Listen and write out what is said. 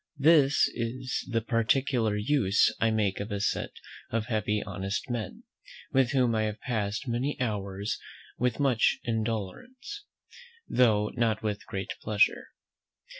This is the particular use I make of a set of heavy honest men, with whom I have passed many hours with much indolence, though not with great pleasure.